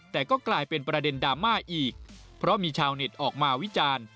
แต่ก็กลายเป็นประเด็นดราม่าอีกเพราะมีชาวเน็ตออกมาวิจารณ์